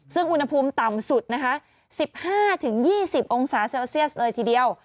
ซึ่งอุณหภูมิต่ำสุดนะคะ๑๕๒๐องศาเซลเซียสเลยทีเดียว